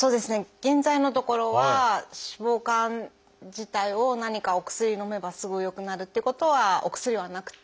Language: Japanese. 現在のところは脂肪肝自体を何かお薬のめばすぐ良くなるってことはお薬はなくて。